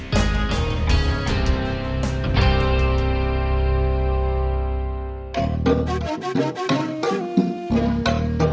lihanku tukang parkir jangan kryopor